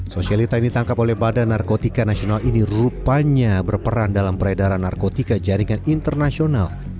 sosialita yang ditangkap oleh badan narkotika nasional ini rupanya berperan dalam peredaran narkotika jaringan internasional